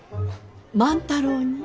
万太郎に？